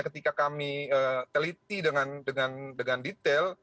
ketika kami teliti dengan detail